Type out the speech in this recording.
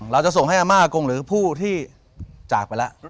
เราจะส่งให้อาม่ากงหรือผู้ที่จากไปแล้ว